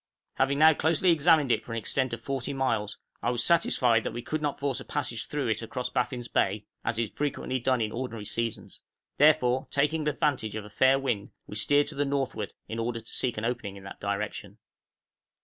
{MELVILLE BAY.} Having now closely examined it for an extent of 40 miles, I was satisfied that we could not force a passage through it across Baffin's Bay, as is frequently done in ordinary seasons; therefore, taking advantage of a fair wind, we steered to the northward, in order to seek an opening in that direction.